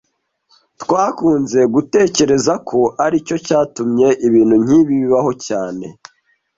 Twakunze gutekereza ko aricyo cyatumye ibintu nkibi bibaho cyane